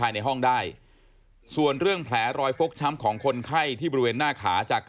ร้องร้องร้องร้องร้องร้องร้องร้องร้อง